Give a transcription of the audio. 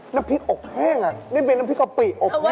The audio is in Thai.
น้ำพริกอบแห้งนี่เป็นน้ำพริกกะปิอบ